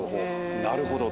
なるほど。